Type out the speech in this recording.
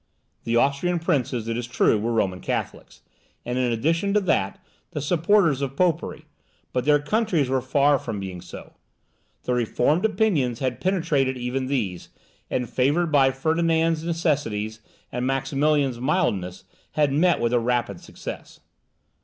The Austrian princes, it is true were Roman Catholics, and in addition to that, the supporters of Popery, but their countries were far from being so. The reformed opinions had penetrated even these, and favoured by Ferdinand's necessities and Maximilian's mildness, had met with a rapid success.